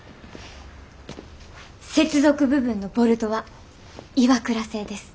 接続部分のボルトはＩＷＡＫＵＲＡ製です。